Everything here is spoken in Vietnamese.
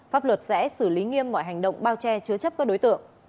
pháp luật sẽ xử lý nghiêm mọi hành động bao che chứa chấp các đối tượng